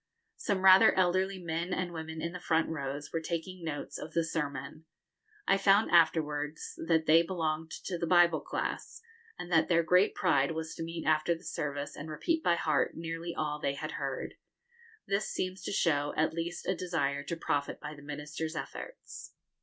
Some rather elderly men and women in the front rows were taking notes of the sermon. I found afterwards that they belonged to the Bible class, and that their great pride was to meet after the service and repeat by heart nearly all they had heard. This seems to show at least a desire to profit by the minister's efforts.